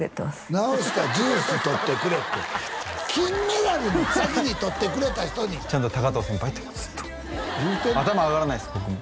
「直寿ジュースとってくれ」って金メダル先にとってくれた人にちゃんと藤先輩ってもうずっと頭上がらないです